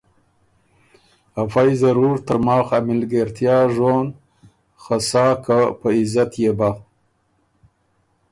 افئ ضرور ترماخ ا مِلګېرتیا ژون خه سا که په عزت يې بَۀ